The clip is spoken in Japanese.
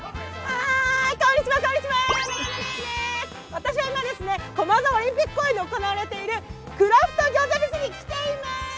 私は今、駒沢オリンピック公園で行われているクラフト餃子フェスに来ています。